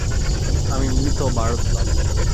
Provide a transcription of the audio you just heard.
আমি, মৃত ভারত লাল।